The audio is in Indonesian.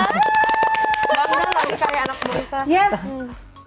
menurut bang odi kenapa akhirnya ada satu hal yang